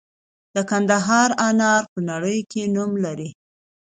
د کندهار انار په نړۍ کې نوم لري.